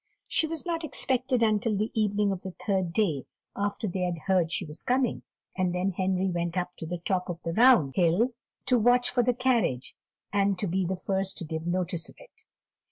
She was not expected until the evening of the third day after they had heard she was coming; and then Henry went up to the top of the round hill to watch for the carriage, and to be the first to give notice of it.